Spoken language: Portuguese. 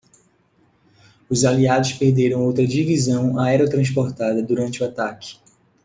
Os aliados perderam outra divisão aerotransportada durante o ataque.